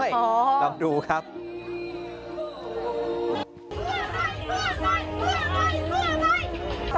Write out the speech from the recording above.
เพื่อใครเพื่อใครเพื่อใครเพื่อใคร